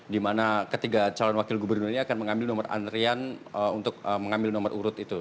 di mana ketiga calon wakil gubernur ini akan mengambil nomor antrian untuk mengambil nomor urut itu